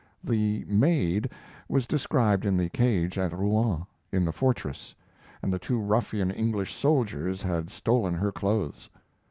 The "maid" was described in the cage at Rouen, in the fortress, and the two ruffian English soldiers had stolen her clothes.